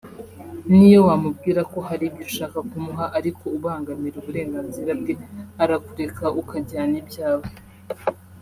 niyo wamubwira ko hari ibyo ushaka kumuha ariko ubangamira uburenganzira bwe arakureka ukajyana ibyawe